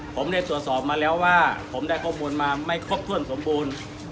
ผมได้ตรวจสอบมาแล้วว่าผมได้ข้อมูลมาไม่ครบถ้วนสมบูรณ์